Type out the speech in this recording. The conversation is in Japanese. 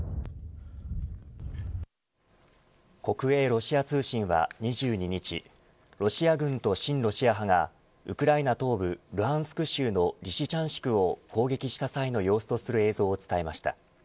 国営ロシア通信は２２日ロシア軍と親ロシア派がウクライナ東部ルハンスク州のリシチャンシクを攻撃した際の映像を伝えました。